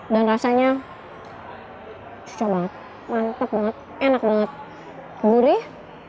dan rasanya cocok banget mantep banget enak banget gurih